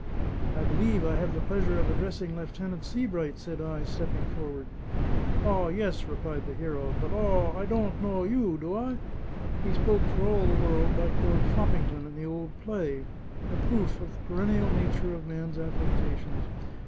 "I believe I have the pleasure of addressing Lieutenant Sebright," said I, stepping forward. "Aw, yes," replied the hero; "but, aw! I dawn't knaw you, do I?" (He spoke for all the world like Lord Foppington in the old play a proof of the perennial nature of man's affectations.